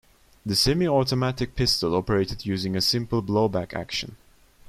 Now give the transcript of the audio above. The semi-automatic pistol operated using a simple blowback action.